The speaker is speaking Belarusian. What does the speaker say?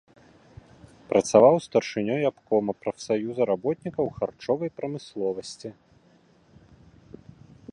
Працаваў старшынёй абкома прафсаюза работнікаў харчовай прамысловасці.